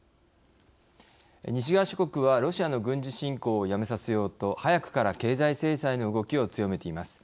西側諸国はロシアの軍事侵攻をやめさせようと早くから経済制裁の動きを強めています。